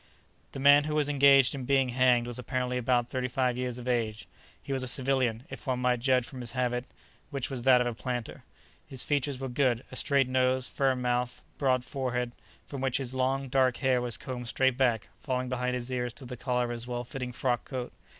The man who was engaged in being hanged was apparently about thirty five years of age. He was a civilian, if one might judge from his habit, which was that of a planter. His features were good—a straight nose, firm mouth, broad forehead, from which his long, dark hair was combed straight back, falling behind his ears to the collar of his well fitting frock coat.